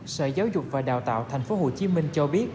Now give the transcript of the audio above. sở giáo dục và đào tạo tp hcm cho biết